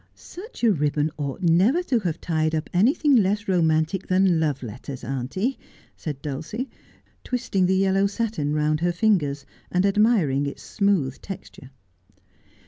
' Such a ribbon ought never to have tied up anything less romantic than love letters, auntie,' said Dulcie, twisting the yellow satin round her fingers, and admiring its smooth texture.